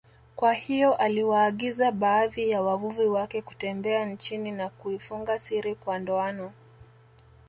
Kwa hiyo aliwaagiza baadhi ya wavuvi wake kutembea chini na kuifunga siri kwa ndoano